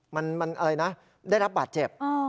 มันอะไรนะได้รับบาดเจ็บ